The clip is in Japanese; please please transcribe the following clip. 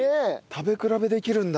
食べ比べできるんだ。